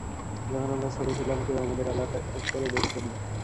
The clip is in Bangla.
যখন আমরা ছোট ছিলাম, কেউ আমাদের আলাদা করে দেখতনা।